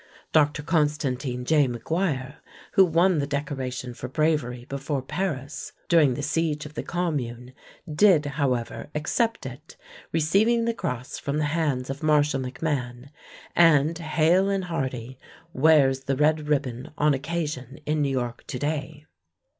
Dr. Constantine J. McGuire, who won the decoration for bravery before Paris during the siege of the Commune, did, however, accept it, receiving the cross from the hands of Marshal MacMahon, and, hale and hearty, wears the red ribbon on occasion in New York today.